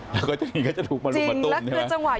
แล้วก็จริงก็จะลุกมาตุ่มใช่ไหม